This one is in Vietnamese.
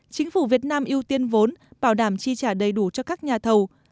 chính phủ việt nam ưu tiên vốn bảo đảm chi trả đầy đủ cho các nhà thầu